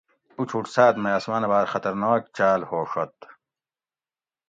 اچھوٹ ساۤت ماۤئ آۤسماۤنہ باۤر خطرناک چاۤل ھوڛت